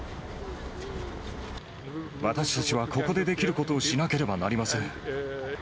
私たちはここでできることをしなければなりません。